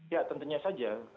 ya tentunya saja